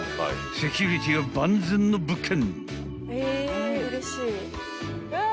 ［セキュリティーは万全の物件］